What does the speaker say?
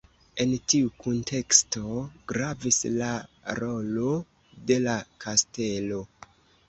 En tiu kunteksto gravis la rolo de la kastelo.